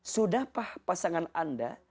sudahkah pasangan anda